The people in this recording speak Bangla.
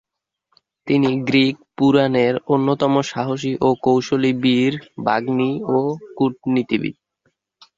তিনি গ্রিক পুরাণের অন্যতম সাহসী ও কৌশলী বীর, বাগ্মী ও কূটনীতিবিদ।